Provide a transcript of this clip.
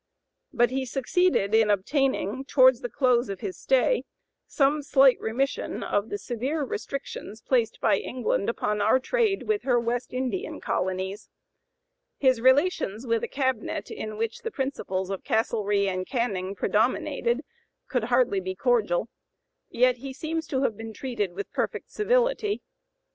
But he succeeded in obtaining, towards the close of his stay, some slight remission of the severe restrictions placed by England upon our trade with her West Indian colonies. His relations with a cabinet in which the principles of Castlereagh and Canning predominated could hardly be cordial, yet he seems to have been treated with perfect civility.